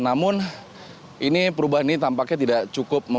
namun ini perubahan ini tampaknya tidak cukup